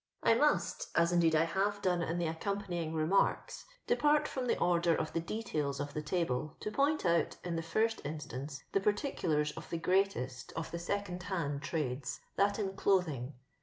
I most, as indeed I ham done in the aoeom panyiaft nmitks, depart from the order of the details of the table to point out, in the first in8tanea, thepartienlsrsofthe greaSaat of the Second Hand trades — that in Clothing.